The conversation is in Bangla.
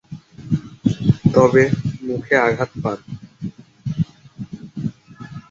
তবে, মুখে আঘাত পান।